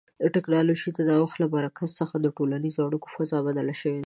د ټکنالوژۍ د نوښتونو له برکت څخه د ټولنیزو اړیکو فضا بدله شوې ده.